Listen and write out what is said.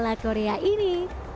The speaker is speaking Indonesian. alat korea ini